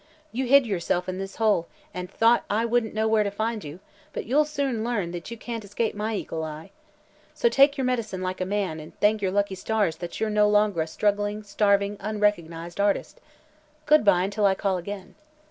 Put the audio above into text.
You hid yourself in this hole and thought I wouldn't know where to find you, but you'll soon learn that you can't escape my eagle eye. So take your medicine like a man, and thank your lucky stars that you're no longer a struggling, starving, unrecognized artist. Good bye until I call again."